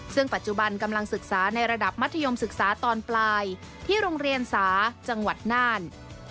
ซึ่งปัจจุบันกำลังศึกษาในระดับมัธยมศึกษาตอนปลายที่โรงเรียนสาจังหวัดน่าน